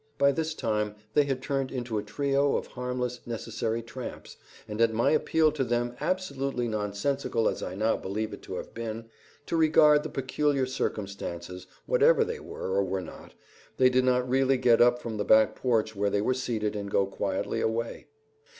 By this time they had turned into a trio of harmless, necessary tramps, and at my appeal to them absolutely nonsensical as I now believe it to have been, to regard the peculiar circumstances, whatever they were or were not, they did really get up from the back porch where they were seated and go quietly away.